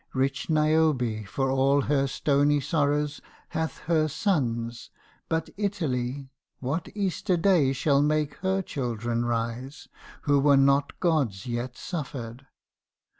rich Niobe For all her stony sorrows hath her sons; but Italy, What Easter Day shall make her children rise, Who were not Gods yet suffered?